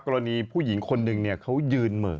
กรณีผู้หญิงคนหนึ่งเขายืนเหมือ